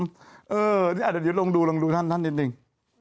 อันนี้อาจจะลองดูท่านนิดหนึ่ง